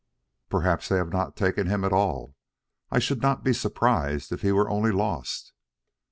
"Perhaps they have not taken him at all. I should not be surprised if he were only lost."